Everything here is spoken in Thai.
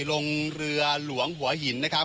ลงเรือหลวงหัวหินนะครับ